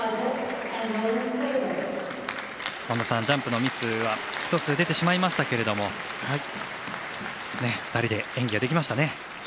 ジャンプのミスは１つ、出てしまいましたけれども２人で演技ができましたね。